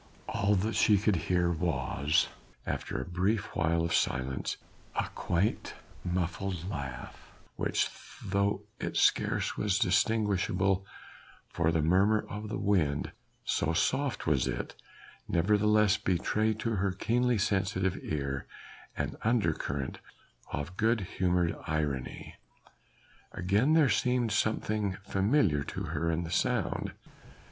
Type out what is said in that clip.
All that she could hear was after a brief while of silence a quaint muffled laugh which though it scarce was distinguishable from the murmur of the wind, so soft was it, nevertheless betrayed to her keenly sensitive ear an undercurrent of good humoured irony. Again there seemed something familiar to her in the sound.